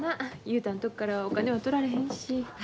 雄太のとこからはお金は取られへんし。